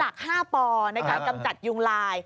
หลัก๕ปอในการกำจัดยุงลาย